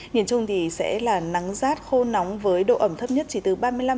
nhìn chung thì sẽ là nắng rát khô nóng với độ ẩm thấp nhất chỉ từ ba mươi năm